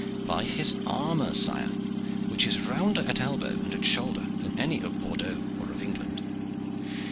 "By his armor, sire, which is rounder at elbow and at shoulder than any of Bordeaux or of England.